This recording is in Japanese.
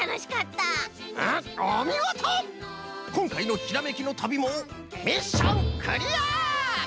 こんかいのひらめきの旅もミッションクリア！